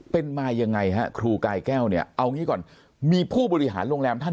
เป็นมายังไงฮะครูกายแก้วเนี่ยเอางี้ก่อนมีผู้บริหารโรงแรมท่าน